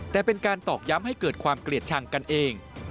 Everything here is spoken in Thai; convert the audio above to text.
แต่เป็นการตอกย้ำให้เกิดความเกลียดชังกันเอง